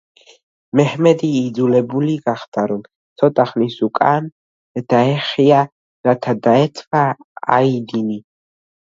მეჰმედი იძულებული გახდა, რომ ცოტა ხნით უკან დაეხია, რათა დაეცვა აიდინი.